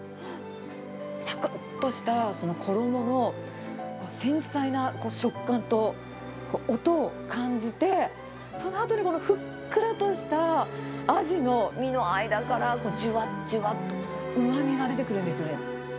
さくっとしたその衣の繊細な食感と、音を感じて、そのあとにこのふっくらとしたアジの身の間から、じゅわっ、じゅわっ、うまみが出てくるんですね。